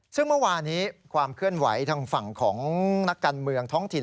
ซึ่งเมื่อวานี้ความเคลื่อนไหวทางฝั่งของนักการเมืองท้องถิ่น